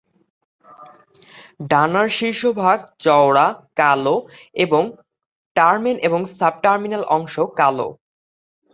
ডানার শীর্ষভাগ চওড়া কালো এবং টার্মেন এবং সাবটার্মিনাল অংশ কাল।